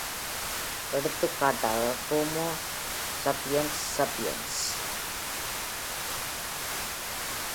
எடுத்துக்காட்டாக, "Homo sapiens sapiens".